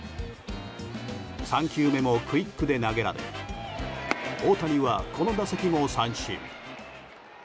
３球目もクイックで投げられ大谷は、この打席も三振。